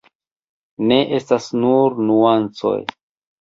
Ne estas nur nuancoj.